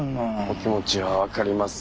お気持ちは分かります。